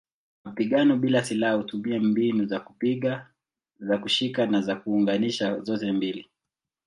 Mapigano bila silaha hutumia mbinu za kupiga, za kushika na za kuunganisha zote mbili.